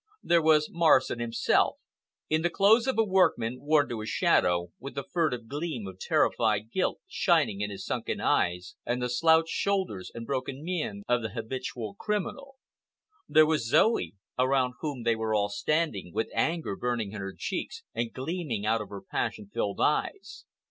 There was Morrison himself, in the clothes of a workman, worn to a shadow, with the furtive gleam of terrified guilt shining in his sunken eyes, and the slouched shoulders and broken mien of the habitual criminal. There was Zoe, around whom they were all standing, with anger burning in her cheeks and gleaming out of her passion filled eyes.